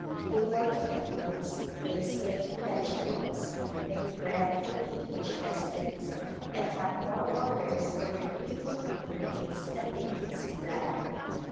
They work in the fields, raise grain and vegetables, make bread for the English residents, and have more orders for their beautiful pillow lace than they can supply.